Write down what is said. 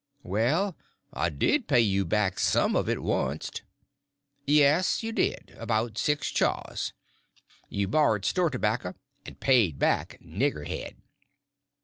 "Well, I did pay you back some of it wunst." "Yes, you did—'bout six chaws. You borry'd store tobacker and paid back nigger head."